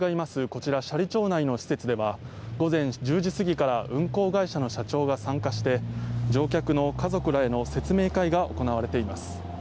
こちら斜里町内の施設では午前１０時過ぎから運航会社の社長が参加して乗客の家族らへの説明会が行われています。